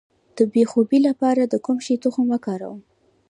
د بې خوبۍ لپاره د کوم شي تخم وکاروم؟